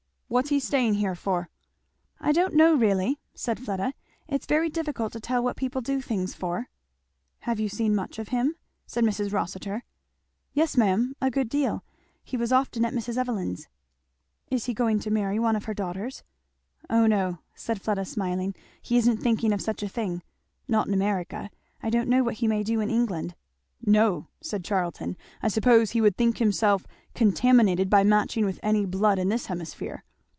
"What's he staying here for?" "I don't know really," said Fleda. "It's very difficult to tell what people do things for." "Have you seen much of him?" said Mrs. Rossitur. "Yes ma'am a good deal he was often at Mrs. Evelyn's." "Is he going to marry one of her daughters?" "Oh no!" said Fleda smiling, "he isn't thinking of such a thing; not in America I don't know what he may do in England." "No!" said Charlton. "I suppose he would think himself contaminated by matching with any blood in this hemisphere."